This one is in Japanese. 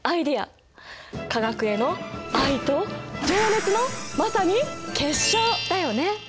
化学への愛と情熱のまさに結晶だよね！